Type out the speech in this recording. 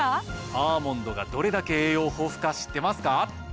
アーモンドがどれだけ栄養豊富か知ってますか？